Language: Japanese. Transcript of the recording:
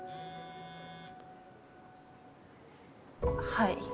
はい。